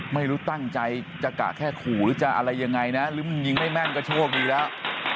ไม่รู้ตั้งใจจะกะแค่ขู่หรือจะอะไรยังไงนะหรือมันยิงไม่แม่นก็โชคดีแล้ว